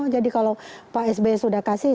jadi kalau pak sbe sudah kasih